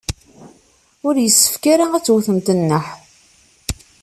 Ur yessefk ara ad tewtemt nneḥ.